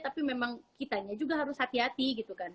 tapi memang kitanya juga harus hati hati gitu kan